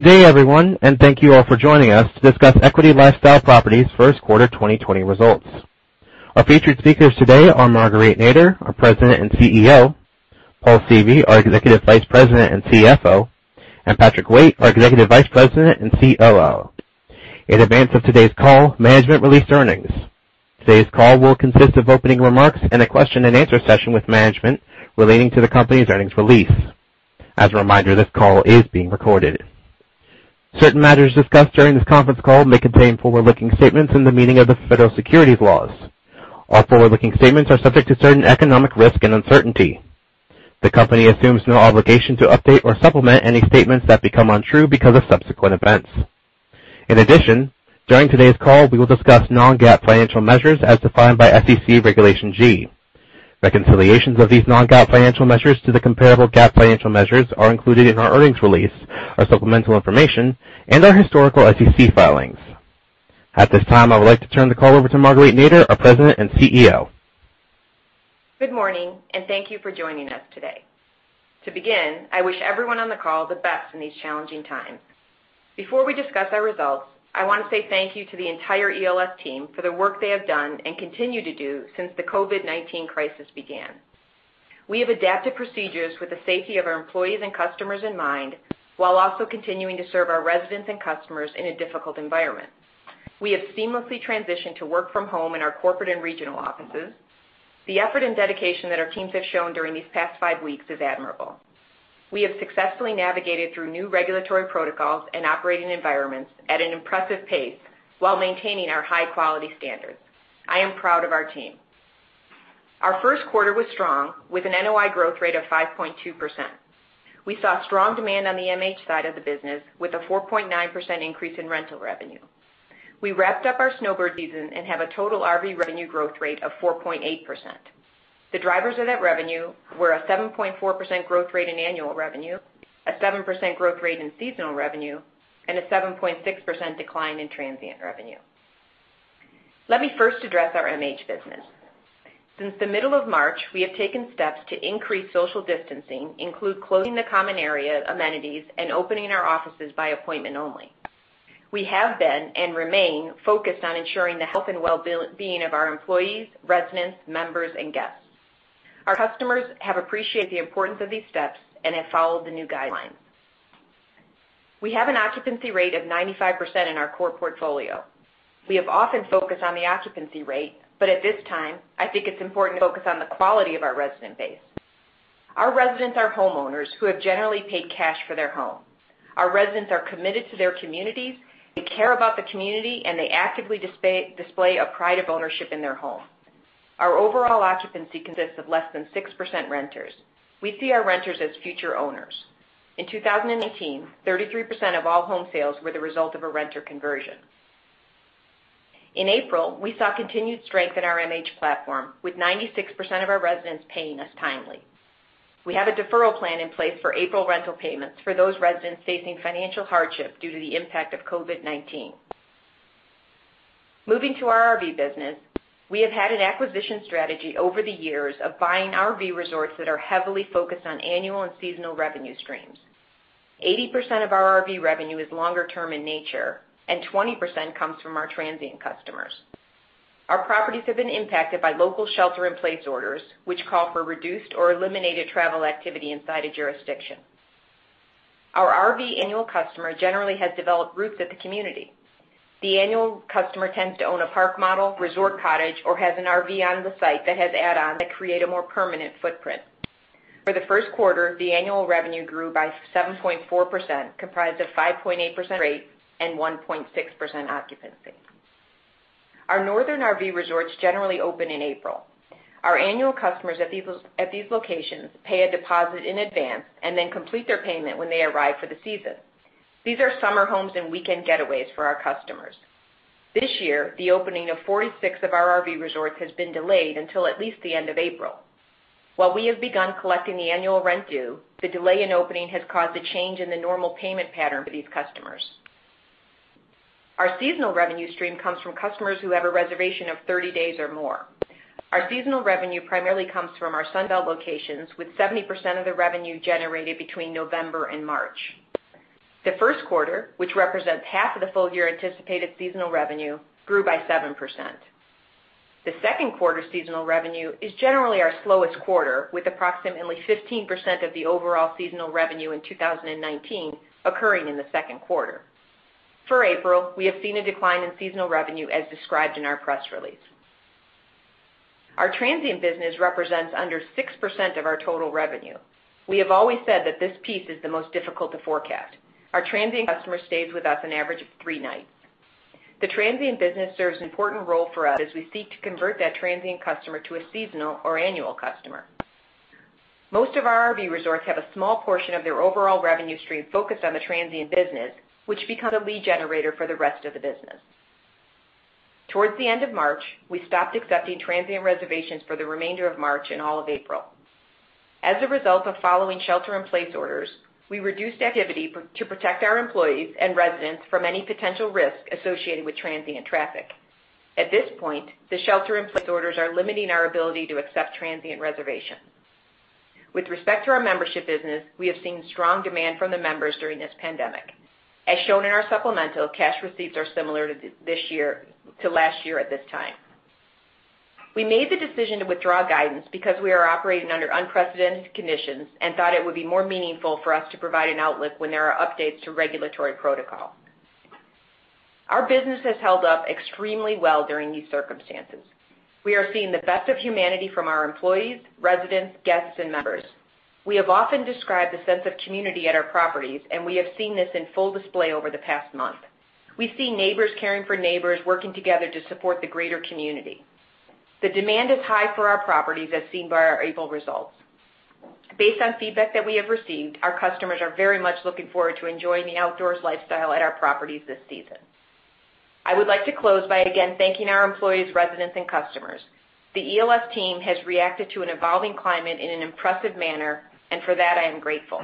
question-and-answerGood day, everyone, and thank you all for joining us to discuss Equity LifeStyle Properties' first quarter 2020 results. Our featured speakers today are Marguerite Nader, our President and CEO, Paul Seavey, our Executive Vice President and CFO, and Patrick Waite, our Executive Vice President and COO. In advance of today's call, management released earnings. Today's call will consist of opening remarks and a question and answer session with management relating to the company's earnings release. As a reminder, this call is being recorded. Certain matters discussed during this conference call may contain forward-looking statements in the meaning of the federal securities laws. Our forward-looking statements are subject to certain economic risks and uncertainty. The company assumes no obligation to update or supplement any statements that become untrue because of subsequent events. In addition, during today's call, we will discuss non-GAAP financial measures as defined by SEC Regulation G. Reconciliations of these non-GAAP financial measures to the comparable GAAP financial measures are included in our earnings release, our supplemental information, and our historical SEC filings. At this time, I would like to turn the call over to Marguerite Nader, our President and CEO. Good morning. Thank you for joining us today. To begin, I wish everyone on the call the best in these challenging times. Before we discuss our results, I want to say thank you to the entire ELS team for the work they have done and continue to do since the COVID-19 crisis began. We have adapted procedures with the safety of our employees and customers in mind, while also continuing to serve our residents and customers in a difficult environment. We have seamlessly transitioned to work from home in our corporate and regional offices. The effort and dedication that our teams have shown during these past five weeks is admirable. We have successfully navigated through new regulatory protocols and operating environments at an impressive pace while maintaining our high-quality standards. I am proud of our team. Our first quarter was strong, with an NOI growth rate of 5.2%. We saw strong demand on the MH side of the business, with a 4.9% increase in rental revenue. We wrapped up our snowbird season and have a total RV revenue growth rate of 4.8%. The drivers of that revenue were a 7.4% growth rate in annual revenue, a 7% growth rate in seasonal revenue, and a 7.6% decline in transient revenue. Let me first address our MH business. Since the middle of March, we have taken steps to increase social distancing, include closing the common area amenities, and opening our offices by appointment only. We have been, and remain, focused on ensuring the health and well-being of our employees, residents, members, and guests. Our customers have appreciated the importance of these steps and have followed the new guidelines. We have an occupancy rate of 95% in our core portfolio. We have often focused on the occupancy rate, but at this time, I think it's important to focus on the quality of our resident base. Our residents are homeowners who have generally paid cash for their home. Our residents are committed to their communities, they care about the community, and they actively display a pride of ownership in their home. Our overall occupancy consists of less than 6% renters. We see our renters as future owners. In 2019, 33% of all home sales were the result of a renter conversion. In April, we saw continued strength in our MH platform, with 96% of our residents paying us timely. We have a deferral plan in place for April rental payments for those residents facing financial hardship due to the impact of COVID-19. Moving to our RV business, we have had an acquisition strategy over the years of buying RV resorts that are heavily focused on annual and seasonal revenue streams. 80% of our RV revenue is longer-term in nature, and 20% comes from our transient customers. Our properties have been impacted by local shelter-in-place orders, which call for reduced or eliminated travel activity inside a jurisdiction. Our RV annual customer generally has developed roots at the community. The annual customer tends to own a park model, resort cottage, or has an RV on the site that has add-ons that create a more permanent footprint. For the first quarter, the annual revenue grew by 7.4%, comprised of 5.8% rate and 1.6% occupancy. Our northern RV resorts generally open in April. Our annual customers at these locations pay a deposit in advance and then complete their payment when they arrive for the season. These are summer homes and weekend getaways for our customers. This year, the opening of 46 of our RV resorts has been delayed until at least the end of April. While we have begun collecting the annual rent due, the delay in opening has caused a change in the normal payment pattern for these customers. Our seasonal revenue stream comes from customers who have a reservation of 30 days or more. Our seasonal revenue primarily comes from our Sunbelt locations, with 70% of the revenue generated between November and March. The first quarter, which represents half of the full-year anticipated seasonal revenue, grew by 7%. The second-quarter seasonal revenue is generally our slowest quarter, with approximately 15% of the overall seasonal revenue in 2019 occurring in the second quarter. For April, we have seen a decline in seasonal revenue as described in our press release. Our transient business represents under 6% of our total revenue. We have always said that this piece is the most difficult to forecast. Our transient customer stays with us an average of three nights. The transient business serves an important role for us as we seek to convert that transient customer to a seasonal or annual customer. Most of our RV resorts have a small portion of their overall revenue stream focused on the transient business, which becomes a lead generator for the rest of the business. Towards the end of March, we stopped accepting transient reservations for the remainder of March and all of April. As a result of following shelter-in-place orders, we reduced activity to protect our employees and residents from any potential risk associated with transient traffic. At this point, the shelter-in-place orders are limiting our ability to accept transient reservations. With respect to our membership business, we have seen strong demand from the members during this pandemic. As shown in our supplemental, cash receipts are similar to last year at this time. We made the decision to withdraw guidance because we are operating under unprecedented conditions and thought it would be more meaningful for us to provide an outlook when there are updates to regulatory protocol. Our business has held up extremely well during these circumstances. We are seeing the best of humanity from our employees, residents, guests, and members. We have often described the sense of community at our properties, and we have seen this in full display over the past month. We've seen neighbors caring for neighbors, working together to support the greater community. The demand is high for our properties, as seen by our April results. Based on feedback that we have received, our customers are very much looking forward to enjoying the outdoors lifestyle at our properties this season. I would like to close by again thanking our employees, residents, and customers. The ELS team has reacted to an evolving climate in an impressive manner, and for that, I am grateful.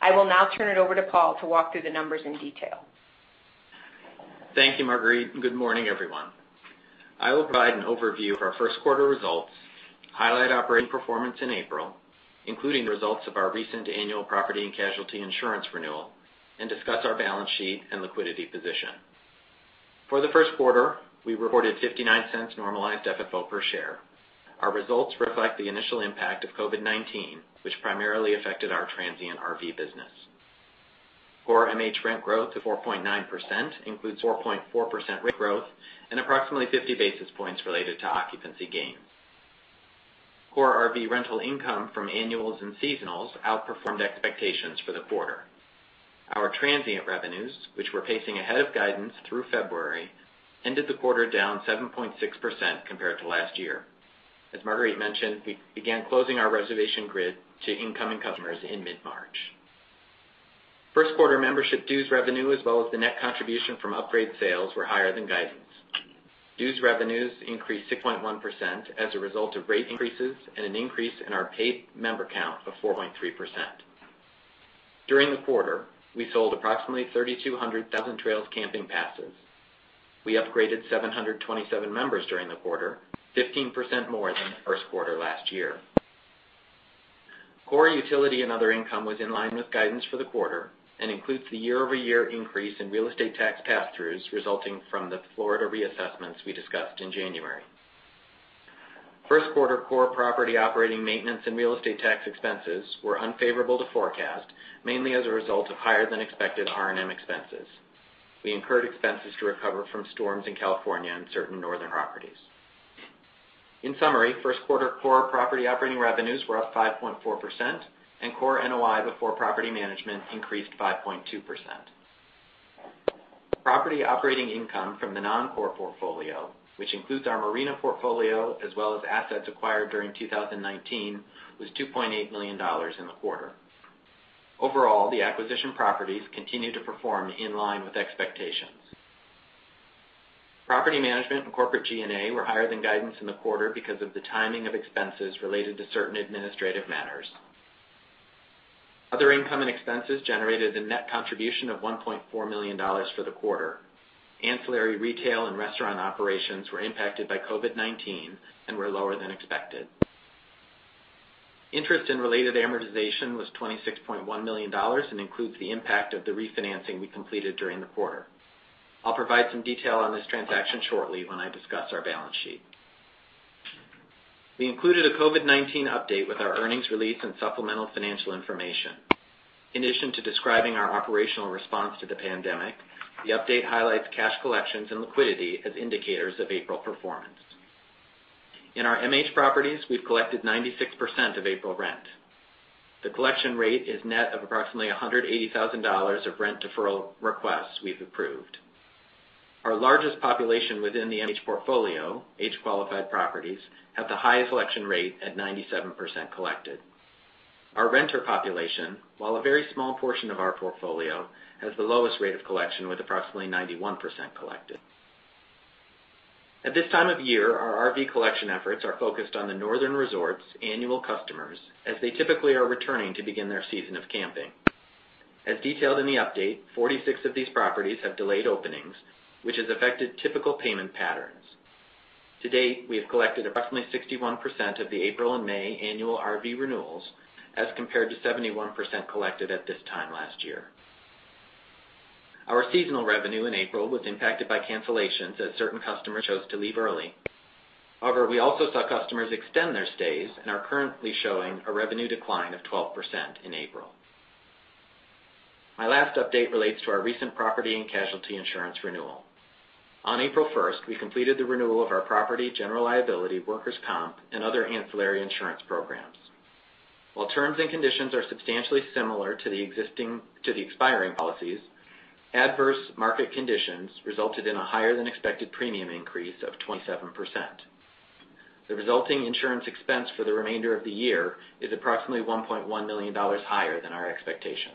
I will now turn it over to Paul to walk through the numbers in detail. Thank you, Marguerite, and good morning, everyone. I will provide an overview of our first quarter results, highlight operating performance in April, including the results of our recent annual property and casualty insurance renewal, and discuss our balance sheet and liquidity position. For the first quarter, we reported $0.59 normalized FFO per share. Our results reflect the initial impact of COVID-19, which primarily affected our transient RV business. Core MH rent growth of 4.9% includes 4.4% rate growth and approximately 50 basis points related to occupancy gains. Core RV rental income from annuals and seasonals outperformed expectations for the quarter. Our transient revenues, which were pacing ahead of guidance through February, ended the quarter down 7.6% compared to last year. As Marguerite mentioned, we began closing our reservation grid to incoming customers in mid-March. First quarter membership dues revenue, as well as the net contribution from upgrade sales, were higher than guidance. Dues revenues increased 6.1% as a result of rate increases and an increase in our paid member count of 4.3%. During the quarter, we sold approximately 3,200 Thousand Trails camping passes. We upgraded 727 members during the quarter, 15% more than the first quarter last year. Core utility and other income was in line with guidance for the quarter and includes the year-over-year increase in real estate tax passthroughs resulting from the Florida reassessments we discussed in January. First quarter core property operating maintenance and real estate tax expenses were unfavorable to forecast, mainly as a result of higher-than-expected R&M expenses. We incurred expenses to recover from storms in California and certain northern properties. In summary, first quarter core property operating revenues were up 5.4% and core NOI before property management increased 5.2%. Property operating income from the non-core portfolio, which includes our marina portfolio as well as assets acquired during 2019, was $2.8 million in the quarter. Overall, the acquisition properties continue to perform in line with expectations. Property management and corporate G&A were higher than guidance in the quarter because of the timing of expenses related to certain administrative matters. Other income and expenses generated a net contribution of $1.4 million for the quarter. Ancillary retail and restaurant operations were impacted by COVID-19 and were lower than expected. Interest and related amortization was $26.1 million and includes the impact of the refinancing we completed during the quarter. I'll provide some detail on this transaction shortly when I discuss our balance sheet. We included a COVID-19 update with our earnings release and supplemental financial information. In addition to describing our operational response to the pandemic, the update highlights cash collections and liquidity as indicators of April performance. In our MH properties, we've collected 96% of April rent. The collection rate is net of approximately $180,000 of rent deferral requests we've approved. Our largest population within the MH portfolio, age-qualified properties, have the highest collection rate at 97% collected. Our renter population, while a very small portion of our portfolio, has the lowest rate of collection, with approximately 91% collected. At this time of year, our RV collection efforts are focused on the northern resorts' annual customers as they typically are returning to begin their season of camping. As detailed in the update, 46 of these properties have delayed openings, which has affected typical payment patterns. To date, we have collected approximately 61% of the April and May annual RV renewals as compared to 71% collected at this time last year. Our seasonal revenue in April was impacted by cancellations as certain customers chose to leave early. However, we also saw customers extend their stays and are currently showing a revenue decline of 12% in April. My last update relates to our recent property and casualty insurance renewal. On April 1st, we completed the renewal of our property general liability, workers' comp, and other ancillary insurance programs. While terms and conditions are substantially similar to the expiring policies, adverse market conditions resulted in a higher-than-expected premium increase of 27%. The resulting insurance expense for the remainder of the year is approximately $1.1 million higher than our expectation.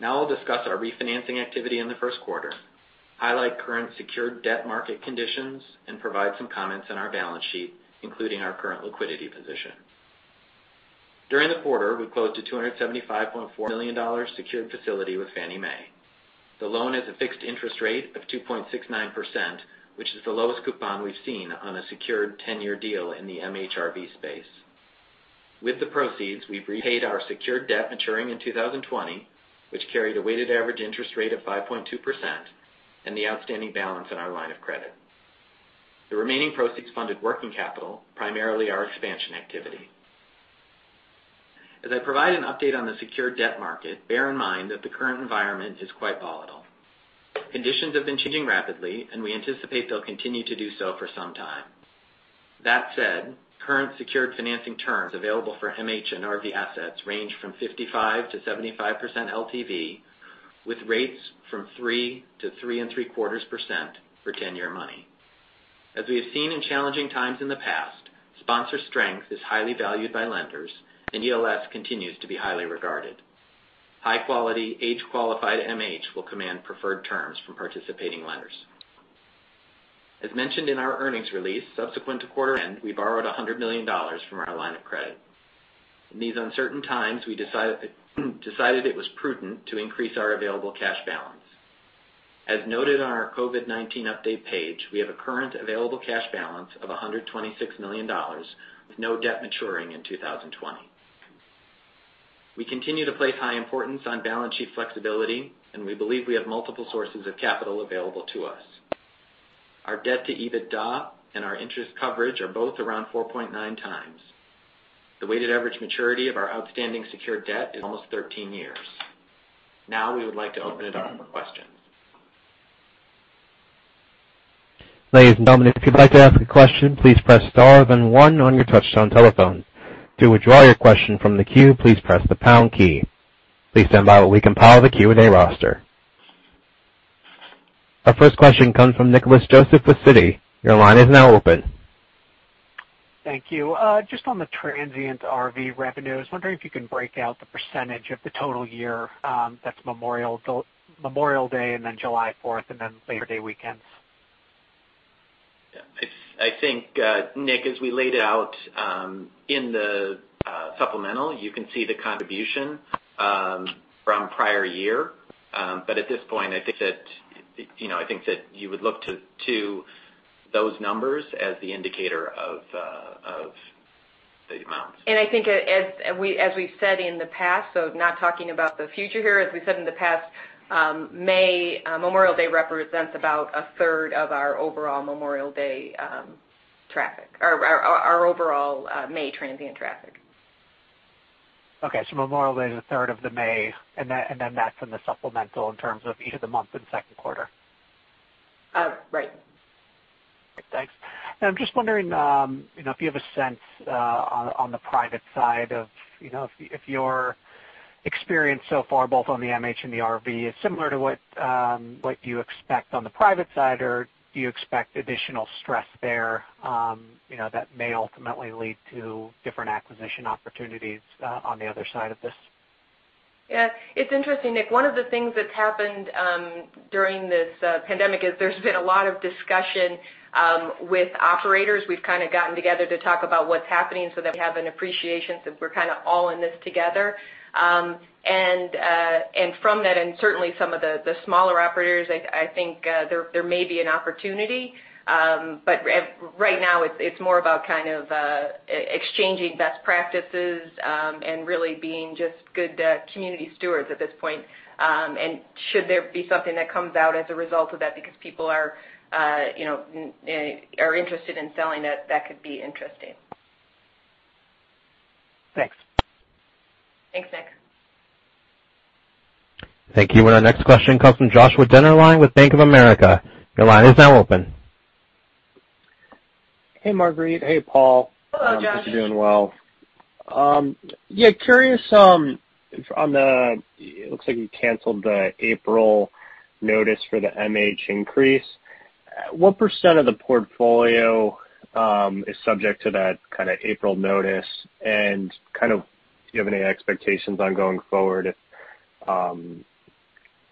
Now I'll discuss our refinancing activity in the first quarter, highlight current secured debt market conditions, and provide some comments on our balance sheet, including our current liquidity position. During the quarter, we closed a $275.4 million secured facility with Fannie Mae. The loan has a fixed interest rate of 2.69%, which is the lowest coupon we've seen on a secured 10-year deal in the MHRV space. With the proceeds, we've repaid our secured debt maturing in 2020, which carried a weighted average interest rate of 5.2%, and the outstanding balance on our line of credit. The remaining proceeds funded working capital, primarily our expansion activity. As I provide an update on the secured debt market, bear in mind that the current environment is quite volatile. Conditions have been changing rapidly, and we anticipate they'll continue to do so for some time. That said, current secured financing terms available for MH and RV assets range from 55%-75% LTV, with rates from 3%-3.75% for 10-year money. As we have seen in challenging times in the past, sponsor strength is highly valued by lenders, and ELS continues to be highly regarded. High-quality, age-qualified MH will command preferred terms from participating lenders. As mentioned in our earnings release, subsequent to quarter end, we borrowed $100 million from our line of credit. In these uncertain times, we decided it was prudent to increase our available cash balance. As noted on our COVID-19 update page, we have a current available cash balance of $126 million, with no debt maturing in 2020. We continue to place high importance on balance sheet flexibility, and we believe we have multiple sources of capital available to us. Our debt to EBITDA and our interest coverage are both around 4.9 times. The weighted average maturity of our outstanding secured debt is almost 13 years. Now we would like to open it up for questions. Ladies and gentlemen, if you'd like to ask a question, please press star, then one on your touchtone telephone. To withdraw your question from the queue, please press the pound key. Please stand by while we compile the Q&A roster. Our first question comes from Nicholas Joseph with Citi. Your line is now open. Thank you. Just on the transient RV revenues, wondering if you can break out the percentage of the total year that's Memorial Day and then July 4th, and then Labor Day weekends. Yeah. I think, Nick, as we laid out in the supplemental, you can see the contribution from prior year. At this point, I think that you would look to those numbers as the indicator of the amounts. I think as we've said in the past, so not talking about the future here, as we said in the past, Memorial Day represents about a third of our overall Memorial Day traffic or our overall May transient traffic. Okay. Memorial Day is a third of the May, and then that's in the supplemental in terms of each of the months in the second quarter. Right. Thanks. I'm just wondering if you have a sense on the private side of if your experience so far, both on the MH and the RV is similar to what you expect on the private side, or do you expect additional stress there that may ultimately lead to different acquisition opportunities on the other side of this? Yeah. It's interesting, Nick. One of the things that's happened during this pandemic is there's been a lot of discussion with operators. We've kind of gotten together to talk about what's happening so that we have an appreciation since we're kind of all in this together. From that, and certainly some of the smaller operators, I think there may be an opportunity. Right now, it's more about exchanging best practices and really being just good community stewards at this point. Should there be something that comes out as a result of that because people are interested in selling it, that could be interesting. Thanks. Thanks, Nick. Thank you. Our next question comes from Joshua Dennerlein with Bank of America. Your line is now open. Hey, Marguerite. Hey, Paul. Hello, Joshua. Hope you're doing well. Yeah, curious on the, it looks like you canceled the April notice for the MH increase. What percent of the portfolio is subject to that kind of April notice? Do you have any expectations on going forward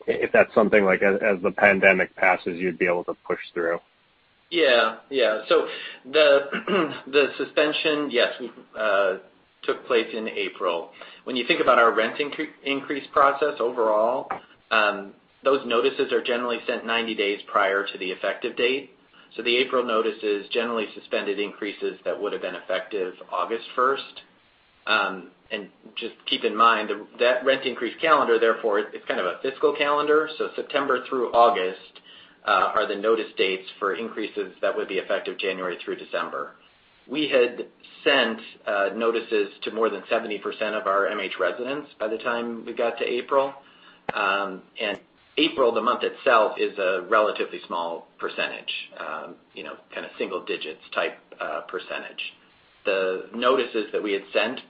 if that's something like as the pandemic passes, you'd be able to push through? The suspension, yes, took place in April. When you think about our rent increase process overall, those notices are generally sent 90 days prior to the effective date. The April notices generally suspended increases that would've been effective August 1st. Just keep in mind that rent increase calendar, therefore, it's kind of a fiscal calendar. September through August are the notice dates for increases that would be effective January through December. We had sent notices to more than 70% of our MH residents by the time we got to April. April, the month itself, is a relatively small percentage, kind of single-digit type percentage. The notices that we had sent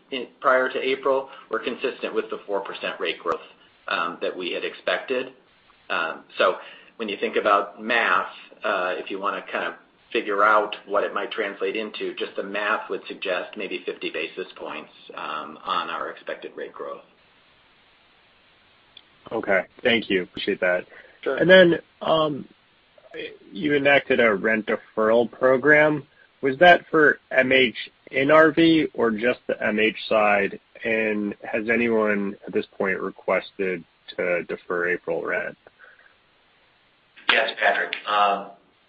prior to April were consistent with the 4% rate growth that we had expected. When you think about math, if you want to kind of figure out what it might translate into, just the math would suggest maybe 50 basis points on our expected rate growth. Okay. Thank you. Appreciate that. Sure. You enacted a rent deferral program. Was that for MH and RV or just the MH side? Has anyone at this point requested to defer April rent? Yes, Patrick.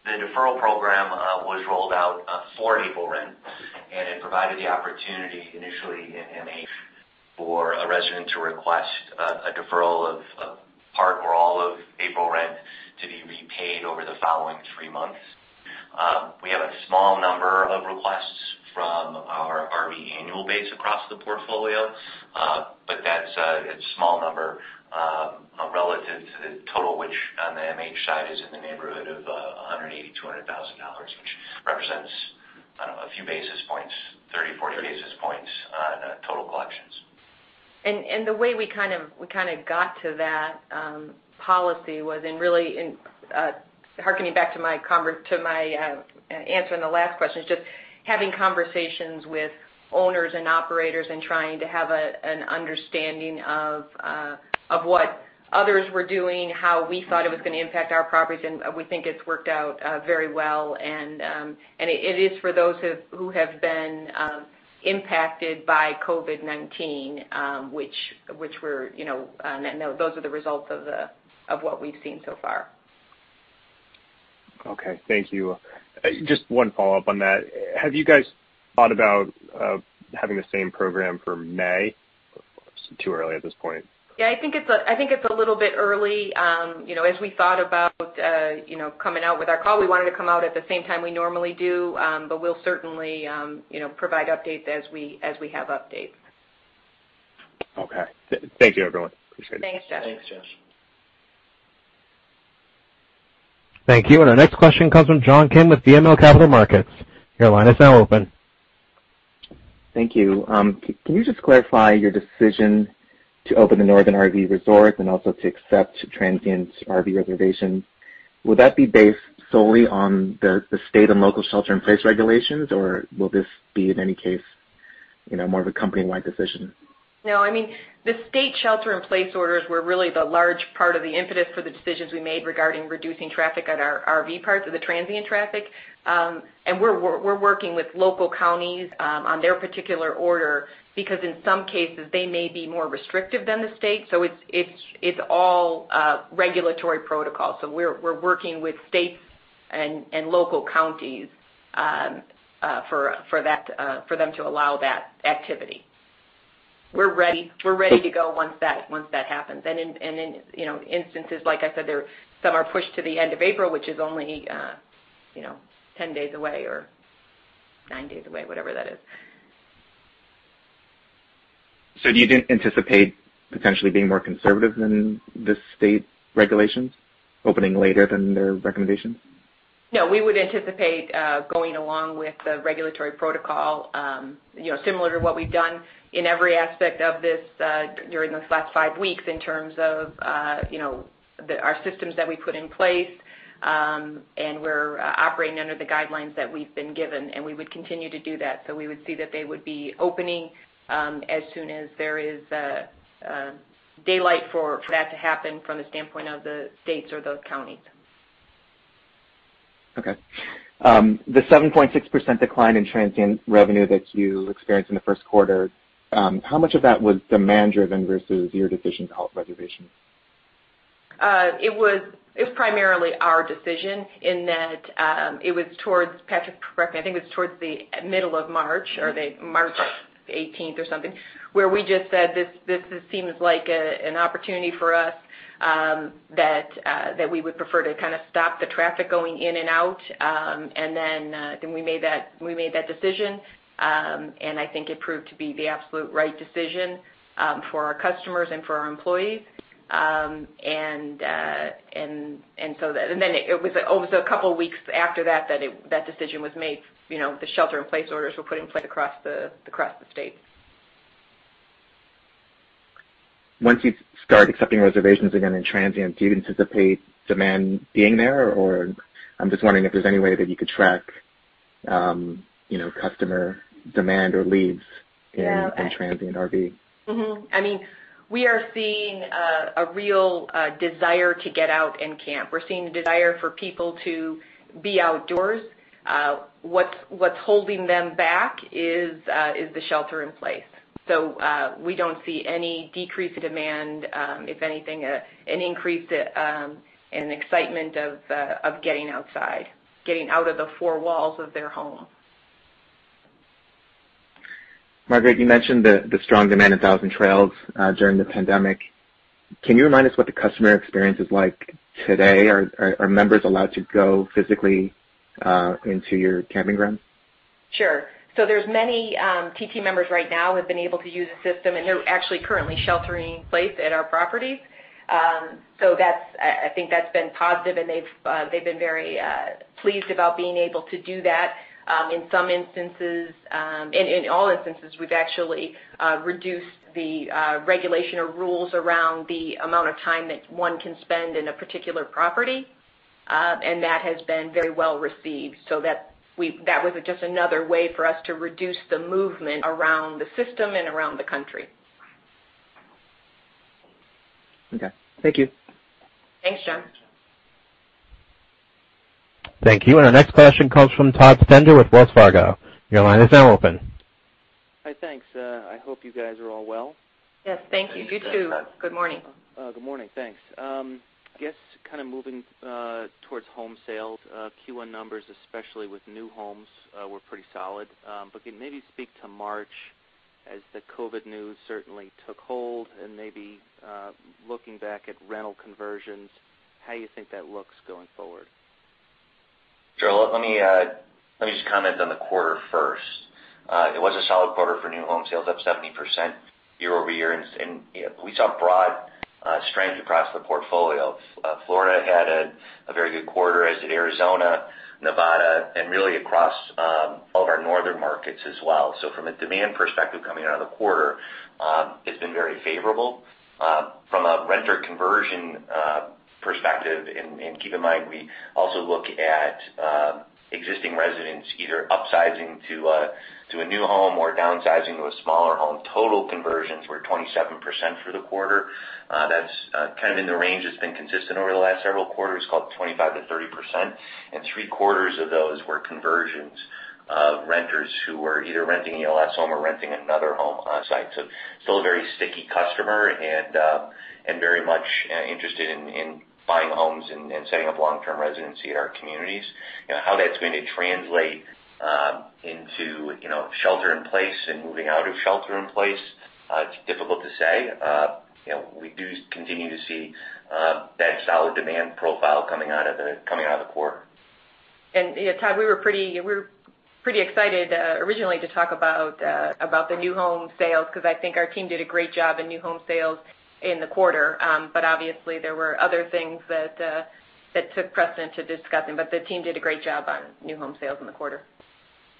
The deferral program was rolled out for April rent, and it provided the opportunity initially in MH for a resident to request a deferral of a part or all of April rent to be repaid over the following three months. We have a small number of requests from our RV annual base across the portfolio, but that's a small number relative to the total, which on the MH side is in the neighborhood of $180,000 to $200,000, which represents a few basis points, 30, 40 basis points on total collections. The way we got to that policy was in really, hearkening back to my answer in the last question, is just having conversations with owners and operators and trying to have an understanding of what others were doing, how we thought it was going to impact our properties, and we think it's worked out very well. It is for those who have been impacted by COVID-19, those are the results of what we've seen so far. Okay. Thank you. Just one follow-up on that. Have you guys thought about having the same program for May? Too early at this point? Yeah, I think it's a little bit early. As we thought about coming out with our call, we wanted to come out at the same time we normally do. We'll certainly provide updates as we have updates. Okay. Thank you, everyone. Appreciate it. Thanks, Josh. Thanks, Joshua. Thank you. Our next question comes from John Kim with BMO Capital Markets. Your line is now open. Thank you. Can you just clarify your decision to open the Northern RV resort and also to accept transient RV reservations? Would that be based solely on the state and local shelter-in-place regulations, or will this be, in any case, more of a company-wide decision? No, the state shelter-in-place orders were really the large part of the impetus for the decisions we made regarding reducing traffic at our RV parks or the transient traffic. We're working with local counties on their particular order because in some cases, they may be more restrictive than the state. It's all regulatory protocol. We're working with states and local counties for them to allow that activity. We're ready to go once that happens. In instances, like I said, some are pushed to the end of April, which is only 10 days away or nine days away, whatever that is. Do you anticipate potentially being more conservative than the state regulations, opening later than their recommendations? No, we would anticipate going along with the regulatory protocol, similar to what we've done in every aspect of this during these last five weeks in terms of our systems that we put in place, and we're operating under the guidelines that we've been given, and we would continue to do that. We would see that they would be opening as soon as there is daylight for that to happen from the standpoint of the states or those counties. The 7.6% decline in transient revenue that you experienced in the first quarter, how much of that was demand-driven versus your decision to halt reservations? It was primarily our decision in that it was towards Patrick, correct me, I think it was towards the middle of March or March 18th or something, where we just said, "This seems like an opportunity for us that we would prefer to kind of stop the traffic going in and out." We made that decision, and I think it proved to be the absolute right decision for our customers and for our employees. It was a couple of weeks after that decision was made, the shelter-in-place orders were put in place across the states. Once you start accepting reservations again in transient, do you anticipate demand being there, or I'm just wondering if there's any way that you could track customer demand or leads in transient RV? We are seeing a real desire to get out and camp. We're seeing a desire for people to be outdoors. What's holding them back is the shelter in place. We don't see any decrease in demand. If anything, an increase in excitement of getting outside, getting out of the four walls of their home. Marguerite, you mentioned the strong demand in Thousand Trails during the pandemic. Can you remind us what the customer experience is like today? Are members allowed to go physically into your camping grounds? Sure. There's many TT members right now who have been able to use the system, and they're actually currently sheltering in place at our properties. I think that's been positive, and they've been very pleased about being able to do that. In all instances, we've actually reduced the regulation or rules around the amount of time that one can spend in a particular property, and that has been very well received. That was just another way for us to reduce the movement around the system and around the country. Okay. Thank you. Thanks, John. Thank you. Our next question comes from Todd Stender with Wells Fargo. Your line is now open. Hi. Thanks. I hope you guys are all well. Yes, thank you. You too. Good morning. Good morning. Thanks. Guess kind of moving towards home sales. Q1 numbers, especially with new homes, were pretty solid. Can you maybe speak to March as the COVID news certainly took hold and maybe looking back at rental conversions, how you think that looks going forward? Sure. Let me just comment on the quarter first. It was a solid quarter for new home sales, up 70% year-over-year. We saw broad strength across the portfolio. Florida had a very good quarter, as did Arizona, Nevada. Really across all of our northern markets as well. From a demand perspective, coming out of the quarter, it's been very favorable. From a renter conversion perspective. Keep in mind, we also look at existing residents, either upsizing to a new home or downsizing to a smaller home. Total conversions were 27% for the quarter. That's kind of in the range that's been consistent over the last several quarters, called 25%-30%. Three-quarters of those were conversions of renters who were either renting a ELS home or renting another home on site. Still a very sticky customer and very much interested in buying homes and setting up long-term residency at our communities. How that's going to translate into shelter in place and moving out of shelter in place, it's difficult to say. We do continue to see that solid demand profile coming out of the quarter. Yeah, Todd, we were pretty excited originally to talk about the new home sales because I think our team did a great job in new home sales in the quarter. Obviously, there were other things that took precedent to discussing. The team did a great job on new home sales in the quarter.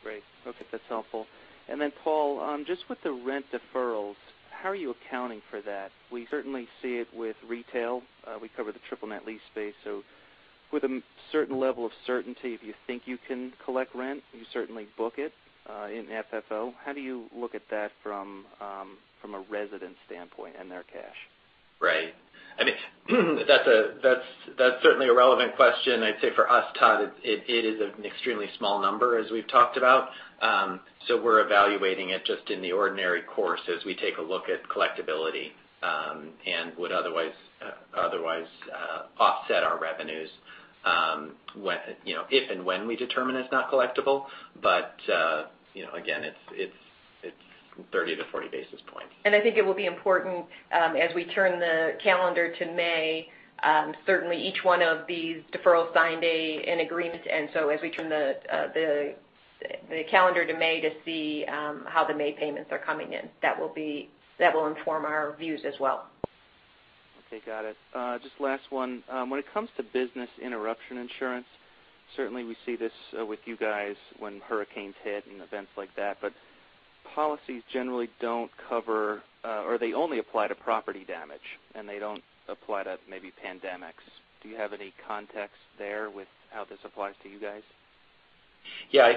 Great. Okay, that's helpful. Then, Paul, just with the rent deferrals, how are you accounting for that? We certainly see it with retail. We cover the triple net lease space. With a certain level of certainty, if you think you can collect rent, you certainly book it in FFO. How do you look at that from a resident standpoint and their cash? Right. That's certainly a relevant question. I'd say for us, Todd, it is an extremely small number, as we've talked about. We're evaluating it just in the ordinary course as we take a look at collectability, and would otherwise offset our revenues if and when we determine it's not collectible. Again, it's 30 to 40 basis points. I think it will be important as we turn the calendar to May, certainly each one of these deferrals signed an agreement. As we turn the calendar to May to see how the May payments are coming in, that will inform our views as well. Okay, got it. Just last one. When it comes to business interruption insurance, certainly we see this with you guys when hurricanes hit and events like that, but policies generally don't cover or they only apply to property damage, and they don't apply to maybe pandemics. Do you have any context there with how this applies to you guys? Yeah, I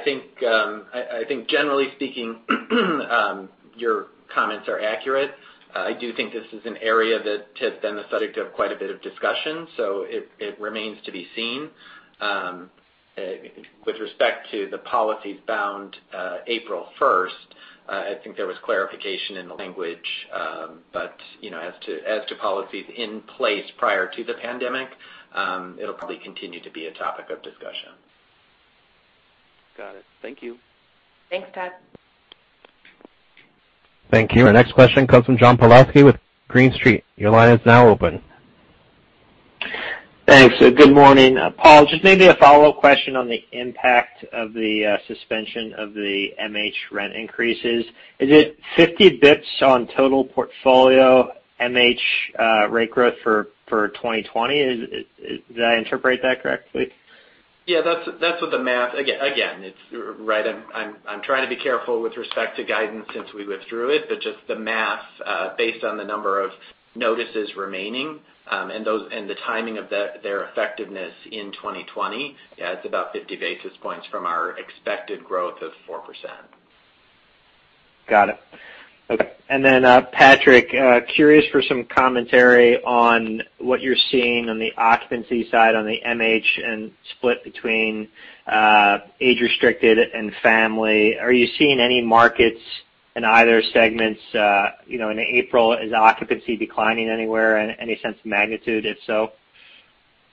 think generally speaking, your comments are accurate. I do think this is an area that has been the subject of quite a bit of discussion, so it remains to be seen. With respect to the policies bound April 1st, I think there was clarification in the language. As to policies in place prior to the pandemic, it'll probably continue to be a topic of discussion. Got it. Thank you. Thanks, Todd. Thank you. Our next question comes from John Pawlowski with Green Street. Your line is now open. Thanks. Good morning. Paul, just maybe a follow-up question on the impact of the suspension of the MH rent increases. Is it 50 basis points on total portfolio MH rate growth for 2020? Did I interpret that correctly? Yeah, Again, right, I'm trying to be careful with respect to guidance since we withdrew it, but just the math based on the number of notices remaining and the timing of their effectiveness in 2020, yeah, it's about 50 basis points from our expected growth of 4%. Got it. Okay. Patrick, curious for some commentary on what you're seeing on the occupancy side on the MH and split between age-restricted and family. Are you seeing any markets in either segments in April? Is occupancy declining anywhere? Any sense of magnitude if so?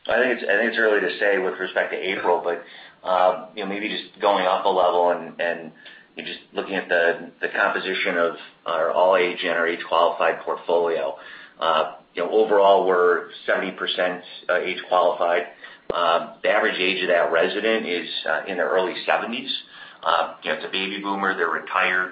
I think it's early to say with respect to April, but maybe just going up a level and just looking at the composition of our all-age and our age-qualified portfolio. Overall, we're 70% age-qualified. The average age of that resident is in their early 70s. It's a baby boomer. They're retired.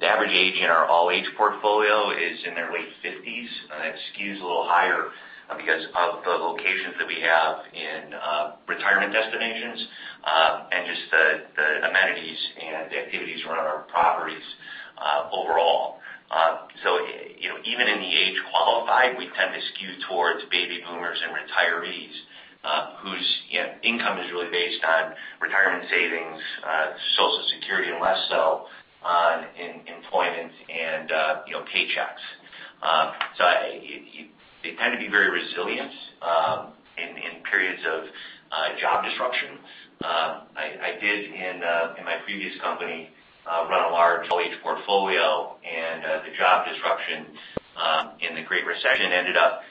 The average age in our all-age portfolio is in their late 50s. That skews a little higher because of the locations that we have in retirement destinations and just the amenities and the activities around our properties overall. Even in the age-qualified, we tend to skew towards baby boomers and retirees. Whose income is really based on retirement savings, Social Security, and less so on employment and paychecks. They tend to be very resilient in periods of job disruption. I did, in my previous company, run a large all-age portfolio, and the job disruption in the Great Recession ended up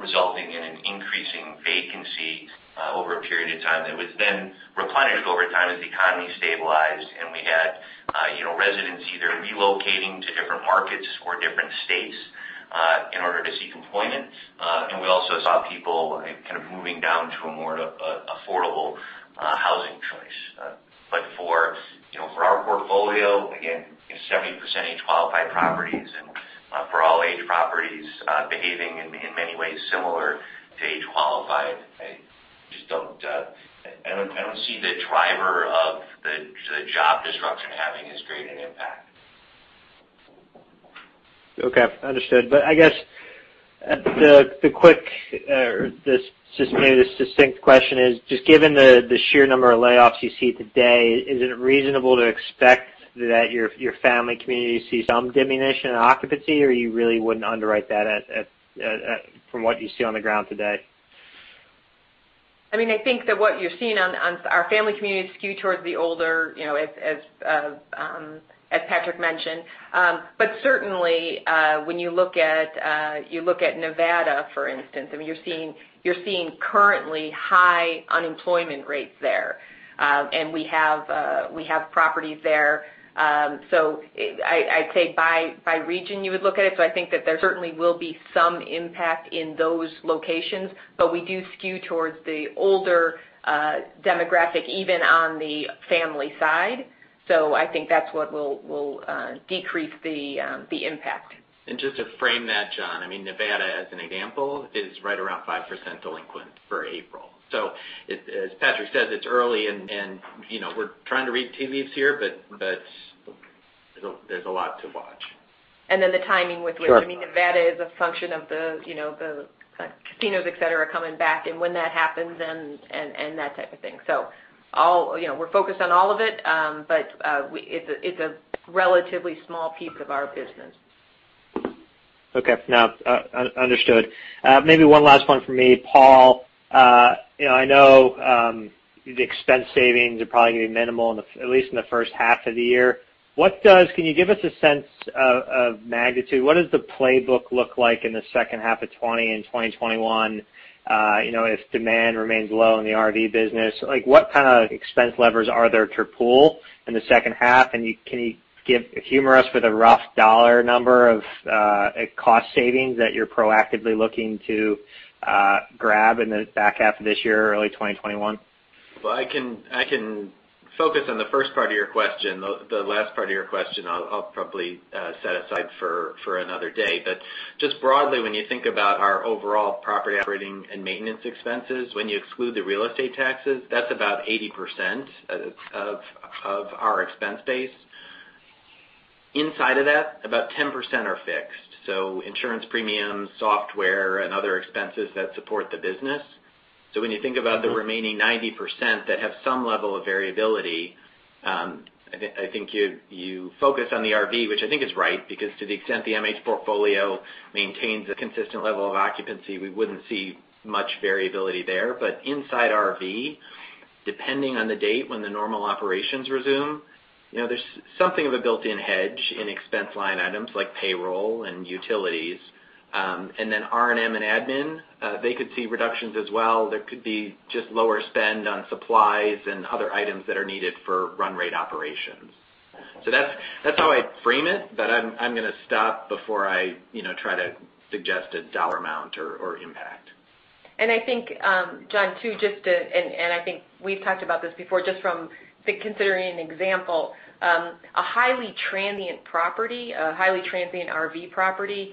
resulting in an increasing vacancy over a period of time that was then replenished over time as the economy stabilized, and we had residents either relocating to different markets or different states in order to seek employment. We also saw people kind of moving down to a more affordable housing choice. For our portfolio, again, 70% age-qualified properties, and for all-age properties behaving in many ways similar to age-qualified, I don't see the driver of the job disruption having as great an impact. Okay, understood. I guess the quick or just maybe the succinct question is just given the sheer number of layoffs you see today, is it reasonable to expect that your family community sees some diminution in occupancy, or you really wouldn't underwrite that from what you see on the ground today? I think that what you're seeing on our family community skew towards the older, as Patrick mentioned. Certainly, when you look at Nevada, for instance, you're seeing currently high unemployment rates there. We have properties there. I'd say by region you would look at it. I think that there certainly will be some impact in those locations. We do skew towards the older demographic, even on the family side. I think that's what will decrease the impact. Just to frame that, John, Nevada as an example, is right around 5% delinquent for April. As Patrick says, it's early, and we're trying to read tea leaves here, but there's a lot to watch. And then the timing with which- Sure. Nevada is a function of the casinos, et cetera, coming back and when that happens and that type of thing. We're focused on all of it, but it's a relatively small piece of our business. Okay. No, understood. Maybe one last one from me, Paul. I know the expense savings are probably going to be minimal, at least in the first half of the year. Can you give us a sense of magnitude? What does the playbook look like in the second half of 2020 and 2021? If demand remains low in the RV, what kind of expense levers are there to pull in the second half? Can you humor us with a rough dollar number of cost savings that you're proactively looking to grab in the back half of this year or early 2021? Well, I can focus on the first part of your question. The last part of your question, I'll probably set aside for another day. Just broadly, when you think about our overall property operating and maintenance expenses, when you exclude the real estate taxes, that's about 80% of our expense base. Inside of that, about 10% are fixed, so insurance premiums, software, and other expenses that support the business. When you think about the remaining 90% that have some level of variability, I think you focus on the RV, which I think is right, because to the extent the MH portfolio maintains a consistent level of occupancy, we wouldn't see much variability there. Inside RV, depending on the date when the normal operations resume, there's something of a built-in hedge in expense line items like payroll and utilities. R&M and admin, they could see reductions as well. There could be just lower spend on supplies and other items that are needed for run rate operations. That's how I frame it, but I'm going to stop before I try to suggest a dollar amount or impact. I think, John too, I think we've talked about this before, just from considering an example. A highly transient property, a highly transient RV property,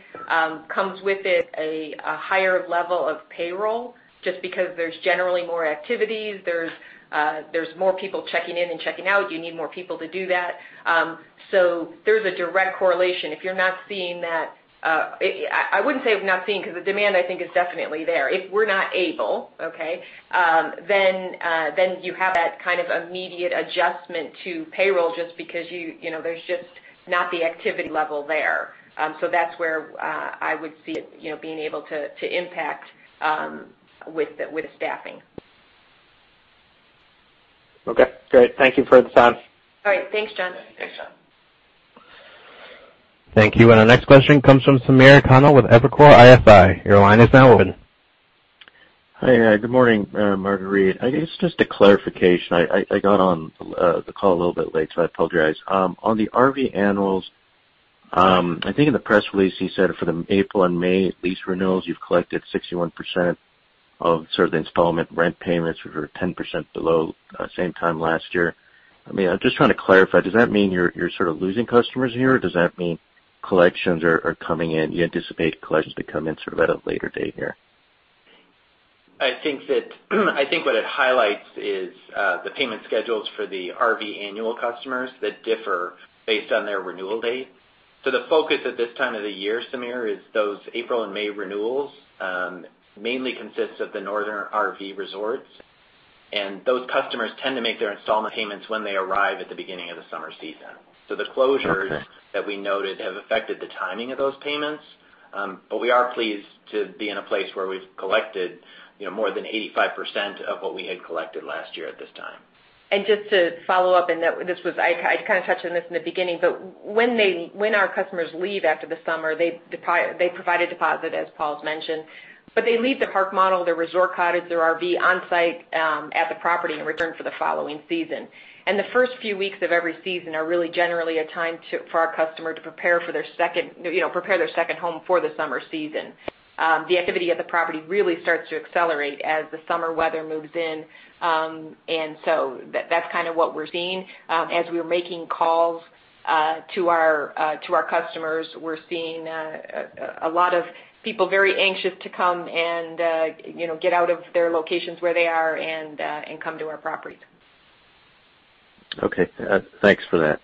comes with it a higher level of payroll, just because there's generally more activities, there's more people checking in and checking out. You need more people to do that. There's a direct correlation. If you're not seeing that, I wouldn't say we're not seeing, because the demand, I think, is definitely there. If we're not able, okay, then you have that kind of immediate adjustment to payroll just because there's just not the activity level there. That's where I would see it being able to impact with the staffing. Okay, great. Thank you for the time. All right. Thanks, John. Thanks, John. Thank you. Our next question comes from Samir Khanal with Evercore ISI. Your line is now open. Hi. Good morning, Marguerite. I guess just a clarification. I got on the call a little bit late. I apologize. On the RV annuals, I think in the press release, you said for the April and May lease renewals, you've collected 61% of sort of the installment rent payments, which are 10% below same time last year. I'm just trying to clarify, does that mean you're sort of losing customers here, or does that mean collections are coming in, you anticipate collections to come in sort of at a later date here? I think what it highlights is the payment schedules for the RV annual customers that differ based on their renewal date. The focus at this time of the year, Samir, is those April and May renewals mainly consists of the northern RV resorts, and those customers tend to make their installment payments when they arrive at the beginning of the summer season. Okay. The closures that we noted have affected the timing of those payments. We are pleased to be in a place where we've collected more than 85% of what we had collected last year at this time. Just to follow up, I kind of touched on this in the beginning, but when our customers leave after the summer, they provide a deposit, as Paul's mentioned. They leave their park model, their resort cottage, their RV on-site at the property in return for the following season. The first few weeks of every season are really generally a time for our customer to prepare their second home for the summer season. The activity of the property really starts to accelerate as the summer weather moves in. That's kind of what we're seeing. As we are making calls to our customers, we're seeing a lot of people very anxious to come and get out of their locations where they are and come to our properties. Okay. Thanks for that.